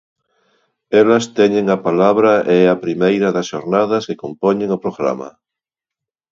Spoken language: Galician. Elas teñen a palabra é a primeira das xornadas que compoñen o programa.